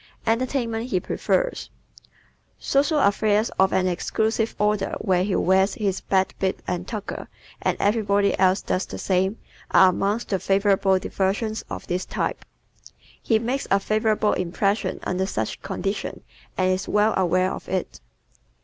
Entertainment He Prefers ¶ Social affairs of an exclusive order where he wears his "best bib and tucker" and everybody else does the same, are amongst the favorite diversions of this type. He makes a favorable impression under such conditions and is well aware of it.